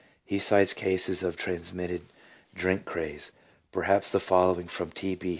he cites cases of transmitted drink craze. Perhaps the following from T. B.